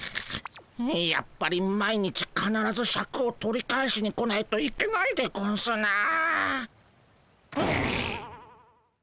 やっぱり毎日かならずシャクを取り返しに来ないといけないでゴンスなあ。